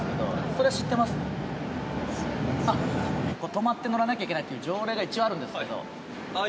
止まって乗らなきゃいけないっていう条例が一応あるんですけど。